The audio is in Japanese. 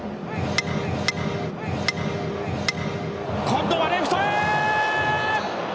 今度はレフトへー！